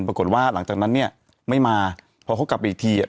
ปรากฏว่าหลังจากนั้นเนี่ยไม่มาพอเขากลับไปอีกทีอ่ะ